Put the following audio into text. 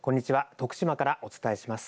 徳島からお伝えします。